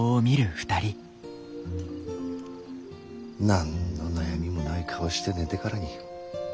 何の悩みもない顔して寝てからに。